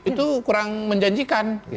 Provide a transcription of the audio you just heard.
itu kurang menjanjikan